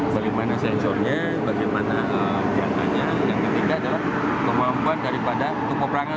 bagaimana sensornya bagaimana pihakannya yang ketiga adalah kemampuan daripada tumpu perangnya